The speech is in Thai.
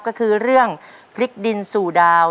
ก็คือเรื่องพริกดินสู่ดาว